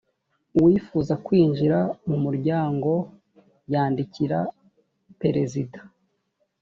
uwifuza kwinjira mu muryango yandikira perezida